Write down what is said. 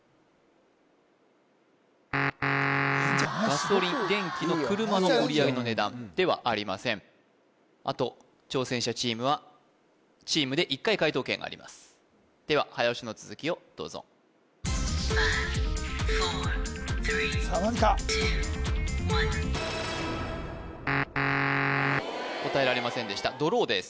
ガソリン電気の車の売り上げの値段ではありませんあと挑戦者チームはチームで１回解答権がありますでは早押しの続きをどうぞさあ何か答えられませんでしたドローです